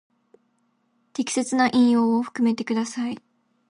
適切な引用を含めてください。